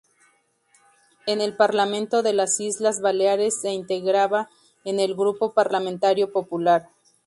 En el Parlamento de las Islas Baleares se integraba en el grupo parlamentario popular.